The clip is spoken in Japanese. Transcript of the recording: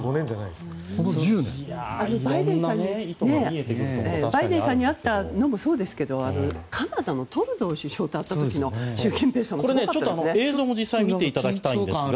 バイデンさんに会ったのもそうですけどカナダのトルドー首相と会った時の習近平さんもすごかったですね。